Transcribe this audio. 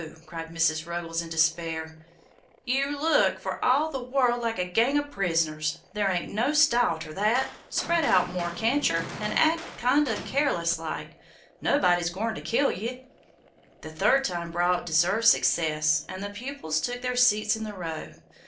cried Mrs. Ruggles, in despair; "Yer look for all the world like a gang o' pris'ners; there ain't no style ter that; spread out more, can't yer, an' act kind o' careless like nobody's goin' ter kill ye!" The third time brought deserved success, and the pupils took their seats in the row.